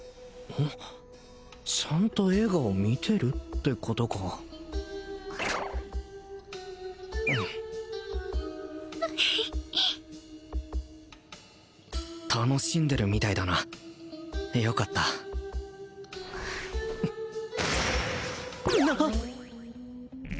ちゃんと映画を見てる？ってことか楽しんでるみたいだなよかったなっ！